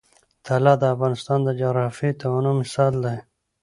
طلا د افغانستان د جغرافیوي تنوع مثال دی.